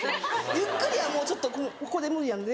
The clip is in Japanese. ゆっくりはもうちょっとここで無理なんで。